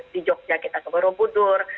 di jogja kita ke borobudur